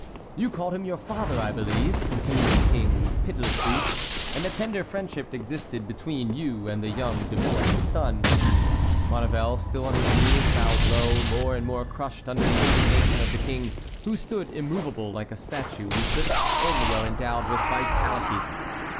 "You called him your father, I believe," continued the King, pitilessly, "and a tender friendship existed between you and the young De Mouy, his son." Maurevel, still on his knees, bowed low, more and more crushed under the indignation of the King, who stood immovable, like a statue whose lips only are endowed with vitality.